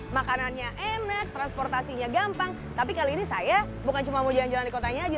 makanannya enak transportasinya gampang tapi kali ini saya bukan cuma mau jalan jalan di kotanya aja